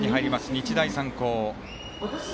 日大三高。